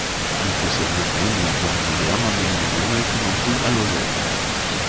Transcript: Il possède maintenant une lanterne moderne en aluminium avec une ampoule halogène.